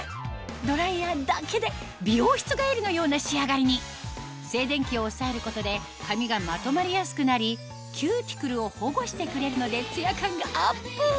ドライヤーだけで美容室帰りのような仕上がりに静電気を抑えることで髪がまとまりやすくなりキューティクルを保護してくれるのでツヤ感がアップ！